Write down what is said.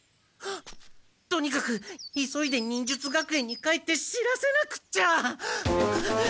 とにかく急いで忍術学園に帰って知らせなくっちゃ！